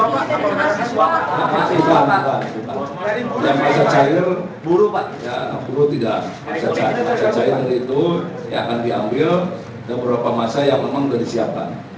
masa cair buru tidak masa cair itu yang akan diambil dan beberapa masa yang memang sudah disiapkan